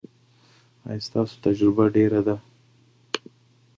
ایا ستاسو تجربه ډیره ده؟